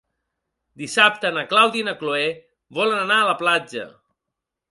Dissabte na Clàudia i na Cloè volen anar a la platja.